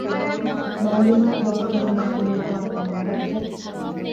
މަޢުލޫމާތު ހޯއްދެވުމަށް ގުޅުއްވާނެ ނަންބަރުތައް.